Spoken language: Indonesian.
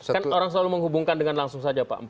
kan orang selalu menghubungkan dengan langsung saja pak